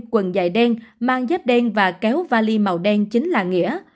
quần dạy đen mang dép đen và kéo vali màu đen chính là nghĩa